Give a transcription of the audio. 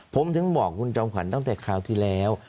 ผมถึงบอกคุณจอมขวัญตั้งแต่คราวที่แล้ว